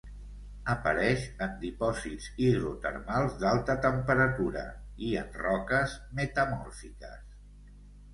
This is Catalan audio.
Apareix en dipòsits hidrotermals d'alta temperatura, i en roques metamòrfiques.